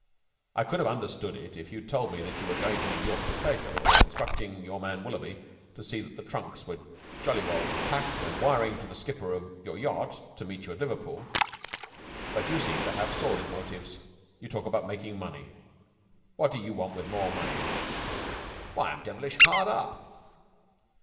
'I could have understood it if you had told me that you were going to New York for pleasure, instructing your man Willoughby to see that the trunks were jolly well packed and wiring to the skipper of your yacht to meet you at Liverpool. But you seem to have sordid motives. You talk about making money. What do you want with more money?' 'Why, I'm devilish hard up.'